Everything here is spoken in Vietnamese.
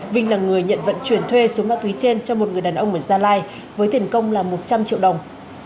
vinh là người nhận vận chuyển thuê số ma túy trên cho một người đàn ông ở gia lai với tiền công là một trăm linh triệu đồng